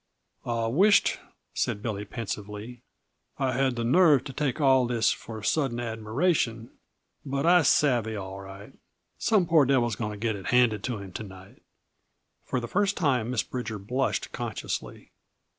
"I wisht," said Billy pensively, "I had the nerve to take all this for sudden admiration; but I savvy, all right. Some poor devil's going to get it handed to him to night." For the first time Miss Bridger blushed consciously.